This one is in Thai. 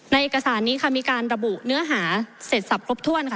เอกสารนี้ค่ะมีการระบุเนื้อหาเสร็จสับครบถ้วนค่ะ